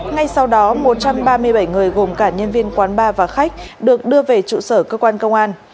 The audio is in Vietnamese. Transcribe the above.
ngay sau đó một trăm ba mươi bảy người gồm cả nhân viên quán bar và khách được đưa về trụ sở cơ quan công an